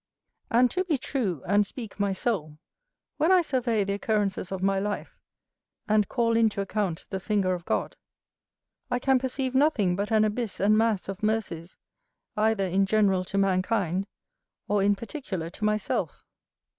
And to be true, and speak my soul, when I survey the occurrences of my life, and call into account the finger of God, I can perceive nothing but an abyss and mass of mercies, either in general to mankind, or in particular to myself.